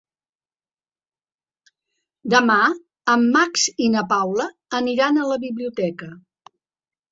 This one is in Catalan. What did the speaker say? Demà en Max i na Paula aniran a la biblioteca.